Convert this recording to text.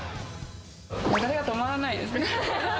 よだれが止まらないですね。